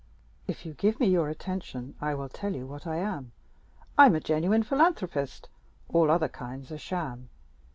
If you give me your attention, I will tell you what I am: I'm a genuine philanthropist all other kinds are sham.